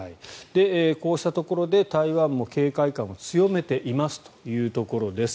こうしたところで台湾も警戒感を強めているということです。